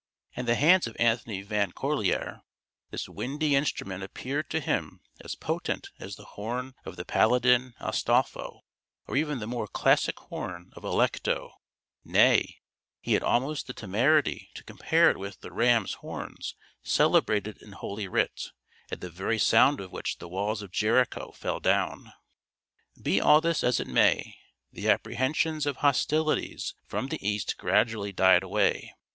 In the hands of Anthony Van Corlear this windy instrument appeared to him as potent as the horn of the paladin Astolpho, or even the more classic horn of Alecto; nay, he had almost the temerity to compare it with the rams' horns celebrated in Holy Writ, at the very sound of which the walls of Jericho fell down. Be all this as it may, the apprehensions of hostilities from the east gradually died away.